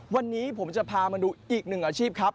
วันนี้ผมจะพามาดูอีกหนึ่งอาชีพครับ